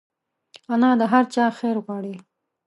انا د هر چا خیر غواړي